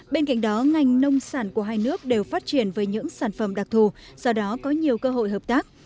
bên cạnh đó ngành nông sản của hai nước đều phát triển với những sản phẩm đặc thù do đó có nhiều cơ hội hợp tác